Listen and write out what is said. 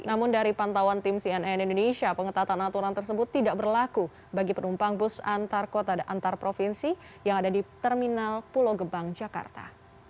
namun dari pantauan tim cnn indonesia pengetatan aturan tersebut tidak berlaku bagi penumpang bus antar kota dan antar provinsi yang ada di terminal pulau gebang jakarta